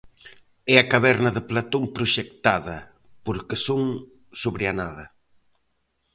É a caverna de Platón proxectada, porque son sobre a nada.